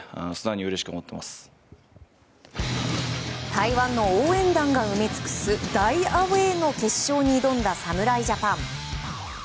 台湾の応援団が埋め尽くす大アウェーの決勝に挑んだ侍ジャパン。